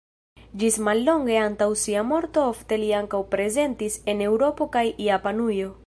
Ĝis mallonge antaŭ sia morto ofte li ankaŭ prezentis en Eŭropo kaj Japanujo.